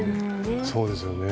そうですよね。